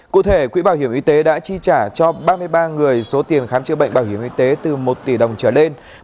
cụ thể quỹ bảo hiểm y tế đã chi trả cho ba mươi ba người số tiền khám chữa bệnh bảo hiểm y tế từ một tỷ đồng trở lên